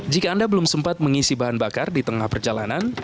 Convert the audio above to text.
jika anda belum sempat mengisi bahan bakar di tengah perjalanan